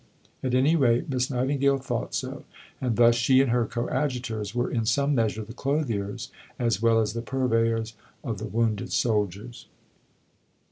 At any rate Miss Nightingale thought so; and thus she and her coadjutors were in some measure the clothiers as well as the purveyors of the wounded soldiers.